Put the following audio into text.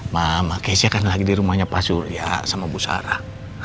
mama keisyah kan lagi di rumahnya pak surya sama bu sarah